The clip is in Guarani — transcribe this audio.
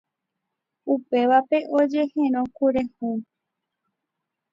upévape ojehero kure hũ.